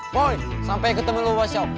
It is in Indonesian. boy sampai ketemu lu wasyaw